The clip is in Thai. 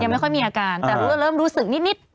ไม่ค่อยมีอาการแต่เริ่มรู้สึกนิด